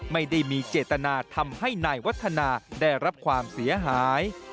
ไม่ได้มีเจตนาทำให้นายวัฒนาได้รับความเสียหาย